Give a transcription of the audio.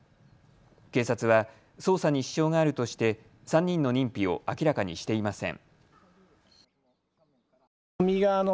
警察は捜査に支障があるとして３人の認否を明らかにしていません。